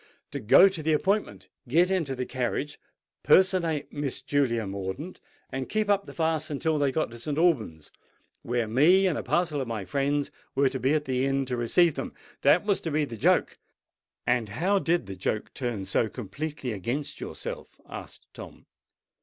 —to go to the appointment, get into the carriage, personate Miss Julia Mordaunt, and keep up the farce until they got to St. Alban's, where me and a parcel of my friends were to be at the inn to receive them. That was to be the joke." "And how did the joke turn so completely against yourself?" asked Tom.